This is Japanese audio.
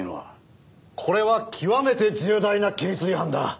これは極めて重大な規律違反だ。